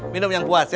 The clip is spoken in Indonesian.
minum yang puas ya